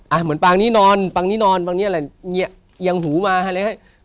อ่ะเหมือนปางนี้นอนปางนี้นอนปางนี้อะไรเงียงหูมาอะไรอย่างเงี้ย